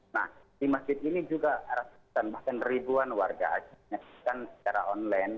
nah di masjid ini juga ratusan bahkan ribuan warga aceh menyaksikan secara online